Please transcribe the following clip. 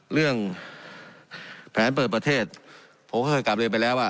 เรื่องแผนเปิดประเทศผมก็เคยกลับเรียนไปแล้วว่า